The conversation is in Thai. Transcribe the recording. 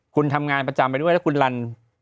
คุณทำงานประจำไปด้วยแล้วคุณรัน